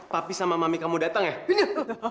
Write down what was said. papi sama mami kamu datang ya ini